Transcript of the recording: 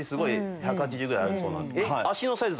１８０ぐらいありそうなのに。